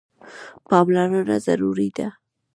پاملرنه ضروري ده.